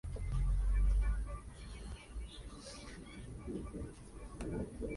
Edificio de un piso de altura, planta baja y buhardilla.